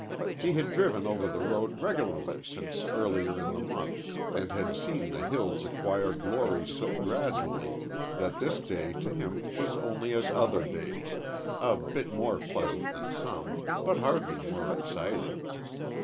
He had driven over the road regularly since earlier in the month, and had seen the hills acquire glory so gradually that this day to him was only as other days a bit more pleasant than some, but hardly more exciting.